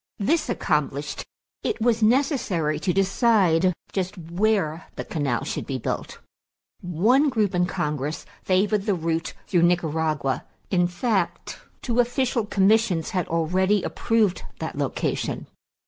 This accomplished, it was necessary to decide just where the canal should be built. One group in Congress favored the route through Nicaragua; in fact, two official commissions had already approved that location.